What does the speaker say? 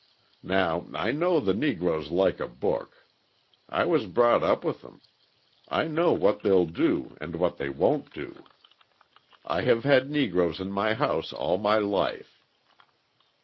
Now, I know the Negroes like a book. I was brought up with them. I know what they'll do and what they won't do. I have had Negroes in my house all my life."